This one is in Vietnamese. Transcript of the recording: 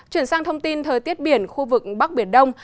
chuyển sang thông tin thời tiết biển khu vực bắc biển đông